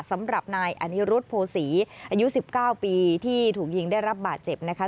สำหรับนายอนิรุธโภษีอายุ๑๙ปีที่ถูกยิงได้รับบาดเจ็บนะคะ